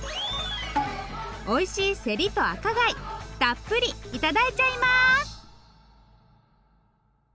おいしいせりと赤貝たっぷりいただいちゃいます！